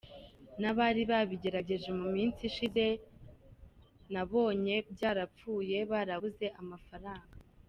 n’abari babigerageje mu minsi ishije nabonye byarapfuye, barabuze amafaranga.